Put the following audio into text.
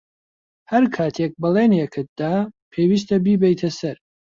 ھەر کاتێک بەڵێنێکت دا، پێویستە بیبەیتە سەر.